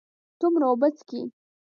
څومره اوبه څښئ؟